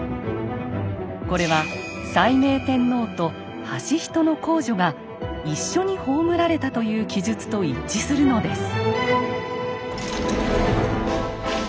これは斉明天皇と間人皇女が一緒に葬られたという記述と一致するのです。